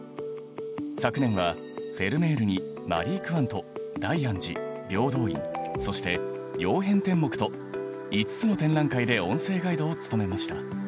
昨年はフェルメールにマリー・クワント大安寺平等院そして曜変天目と５つの展覧会で音声ガイドを務めました。